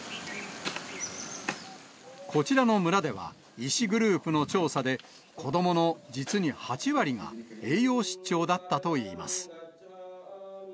こちらの村では、医師グループの調査で、子どもの実に８割が、栄養失調だったといいます。